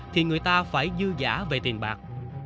thì người ta phải dư giã về tiền bạc